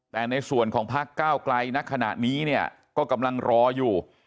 แต่ในส่วนของพักก้าวไกลณขณะนี้เนี่ยก็กำลังรออยู่